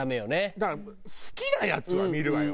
だから好きなやつは見るわよ。